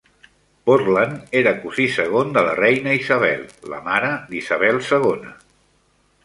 Portland era cosí segon de la reina Isabel, la mare d'Isabel II.